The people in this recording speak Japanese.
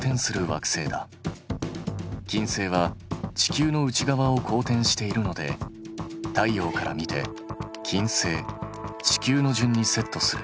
金星は地球の内側を公転しているので太陽から見て金星地球の順にセットする。